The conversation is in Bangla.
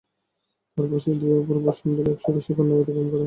তার পাশ দিয়ে অপূর্ব সুন্দরী এক ষোড়শী কন্যা অতিক্রম করে।